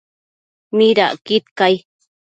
¿midacquid cai ?